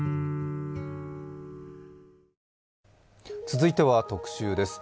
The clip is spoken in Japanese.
続いては「特集」です。